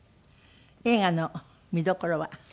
映画の見どころは？